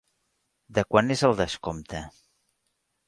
De quant és el descompte.